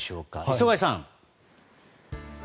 磯貝さん。